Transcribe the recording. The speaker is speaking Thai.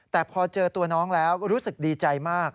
แต่พอเจอตัวน้องแล้วรู้สึกดีใจมาก